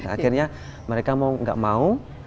akhirnya mereka mau nggak mau